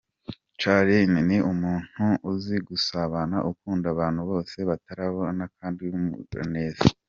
Charlene ni umuntu uzi gusabana ,ukunda abantu bose atarobanura kandi w’umugiraneza.